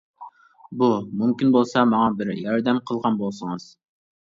بۇ مۇمكىن بولسا ماڭا بىر ياردەم قىلغان بولسىڭىز.